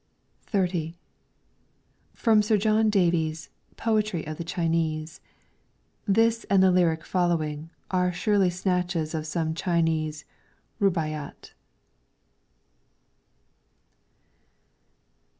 LYRICS FROM THE CHINESE XXX From Sir John Da vies' 'Poetry of the Chinese.' This, and the lyric following, are surely snatches of some Chinese 'Rubaiyat.'